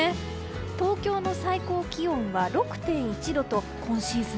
東京の最高気温は６．１度と今シーズン